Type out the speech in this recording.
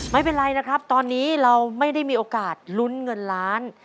ไม่เป็นไรนะครับตอนนี้เราไม่ได้มีโอกาสลุ้นเงินล้าน